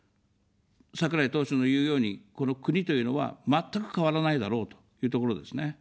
桜井党首の言うように、この国というのは全く変わらないだろうというところですね。